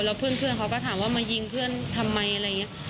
แล้วเพื่อนเขาก็ถามว่ามายิงเพื่อนทำไมอะไรอย่างนี้